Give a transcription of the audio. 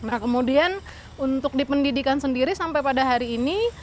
nah kemudian untuk dipendidikan sendiri sampai pada hari ini